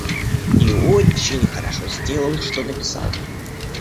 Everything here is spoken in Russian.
И очень хорошо сделал, что написал мне.